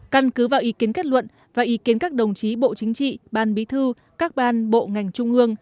căn cứ vào ý kiến kết luận và ý kiến các đồng chí bộ chính trị ban bí thư các ban bộ ngành trung ương